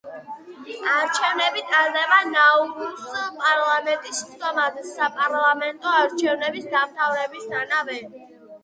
არჩევნები ტარდება ნაურუს პარლამენტის სხდომაზე საპარლამენტო არჩევნების დამთავრებისთანავე.